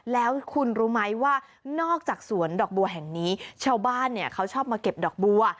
แล้วคุณรู้ไหมว่านอกจากสวนดอกบัวแห่งนี้ชาวบ้านเนี่ยเขาชอบมาเก็บดอกบัว